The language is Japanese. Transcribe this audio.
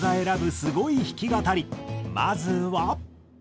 まずは。